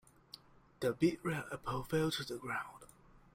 The big red apple fell to the ground.